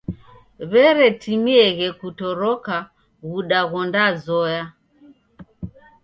W'eretimieghe kutoroka w'uda ghondazoya.